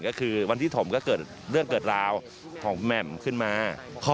ก็คือวันที่ถมก็เกิดเรื่องเกิดราวของแหม่มขึ้นมา